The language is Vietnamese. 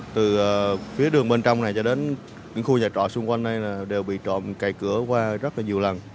từ phía đường bên trong này cho đến những khu nhà trọ xung quanh đây đều bị trộm cày cửa qua rất là nhiều lần